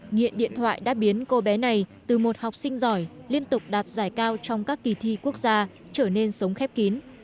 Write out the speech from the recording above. nghiện điện thoại đã biến cô bé này từ một học sinh giỏi liên tục đạt giải cao trong các kỳ thi quốc gia trở nên sống khép kín